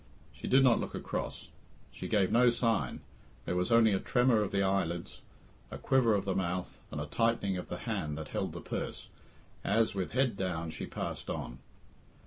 She did not look across; she gave no sign; there was only a tremor of the eyelids, a quiver of the mouth, and a tightening of the hand that held her purse, as, with head down, she passed on.